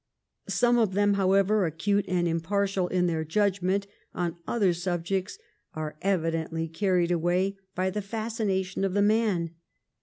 Some of them, however acute and impartial in their judgment on other subjects, are evidently carried away by the fascination of the man.